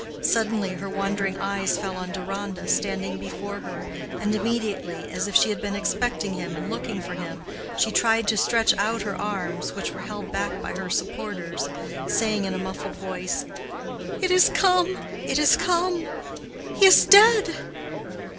Suddenly her wandering eyes fell on Deronda, standing before her, and immediately, as if she had been expecting him and looking for him, she tried to stretch out her arms, which were held back by her supporters, saying, in a muffled voice, "It is come, it is come! He is dead!"